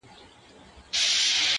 هغه زما خبري پټي ساتي-